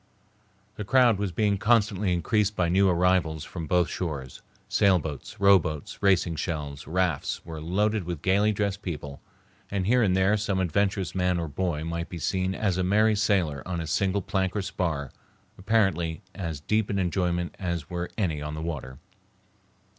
The crowd was being constantly increased by new arrivals from both shores, sailboats, rowboats, racing shells, rafts, were loaded with gayly dressed people, and here and there some adventurous man or boy might be seen as a merry sailor on a single plank or spar, apparently as deep in enjoyment as were any on the water.